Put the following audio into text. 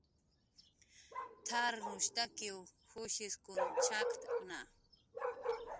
"T""arnushtakiw jusshiskun chakktna"